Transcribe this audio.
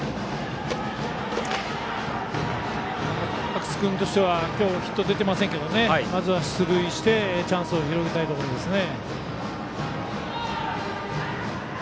阿久津君としては今日、ヒット出ていませんがまずは出塁してチャンスを広げたいところですね。